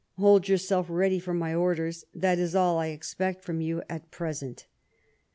Hold yourself ready for my orders; that is all I expect from you at present."